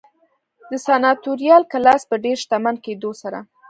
د سناتوریال کلاس په ډېر شتمن کېدو سره